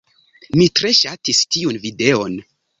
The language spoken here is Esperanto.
Mi tre ŝatis tiun videon.